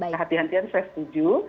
kehatian kehatian saya setuju